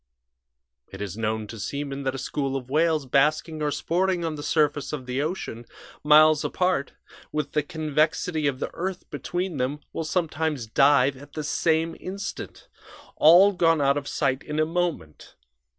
"It is known to seamen that a school of whales basking or sporting on the surface of the ocean, miles apart, with the convexity of the earth between them, will sometimes dive at the same instant all gone out of sight in a moment.